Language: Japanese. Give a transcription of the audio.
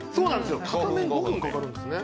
片面５分かかるんですね。